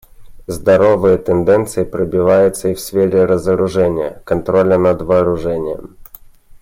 Здоровые тенденции пробиваются и в сфере разоружения, контроля над вооружениями.